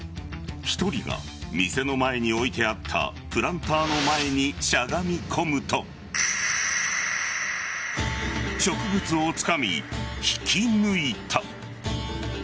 １人が店の前に置いてあったプランターの前にしゃがみ込むと植物をつかみ引き抜いた。